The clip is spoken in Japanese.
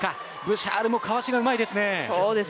ブシャールもかわしがうまいです。